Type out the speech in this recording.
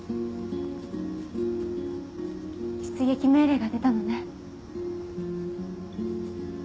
出撃命令が出たのね。